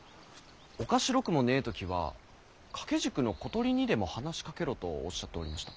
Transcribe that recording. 「おかしろくもねぇ時は掛け軸の小鳥にでも話しかけろ」とおっしゃっておりました。